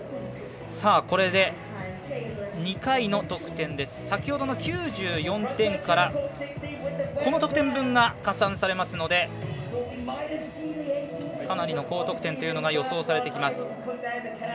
これで２回の得点で先ほどの９４点からこの得点分が加算されますのでかなりの高得点というのが予想されてきます。